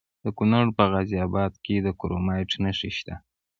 د کونړ په غازي اباد کې د کرومایټ نښې شته.